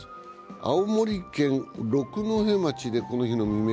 青森県六戸町でこの日の未明、